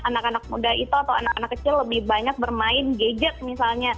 anak anak muda itu atau anak anak kecil lebih banyak bermain gadget misalnya